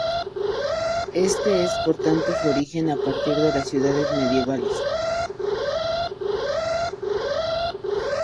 Éste es por tanto su origen, a partir de las ciudades medievales.